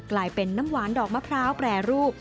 กลายเป็นน้ำหวานดอกมะพร้าวแปรรูป